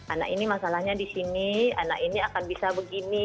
anak ini masalahnya di sini anak ini akan bisa begini